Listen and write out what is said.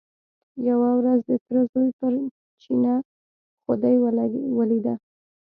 یوه ورځ د تره زوی پر چینه خدۍ ولیده.